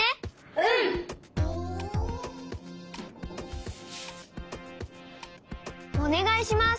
うん！おねがいします！